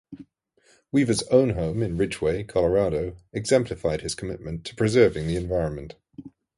Weaver's own home in Ridgway, Colorado, exemplified his commitment to preserving the environment.